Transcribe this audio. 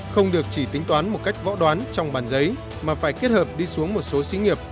không được chỉ tính toán một cách võ đoán trong bàn giấy mà phải kết hợp đi xuống một số xí nghiệp